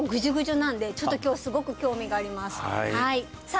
なんでちょっと今日すごく興味がありますさあ